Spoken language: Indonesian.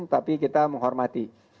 tapi kita menghormati